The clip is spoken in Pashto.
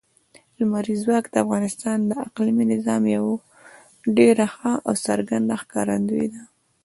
لمریز ځواک د افغانستان د اقلیمي نظام یوه ډېره ښه او څرګنده ښکارندوی ده.